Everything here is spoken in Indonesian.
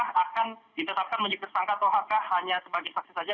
apakah akan ditetapkan menjadi tersangka atau hk hanya sebagai saksi saja